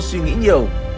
suy nghĩ nhiều